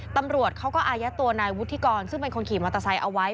ตำรวจเขาก็อายัดตัวนายวุฒิกรซึ่งเป็นคนขี่มอเตอร์ไซค์เอาไว้